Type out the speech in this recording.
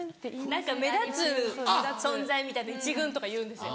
何か目立つ存在みたいの１軍とかいうんですよ。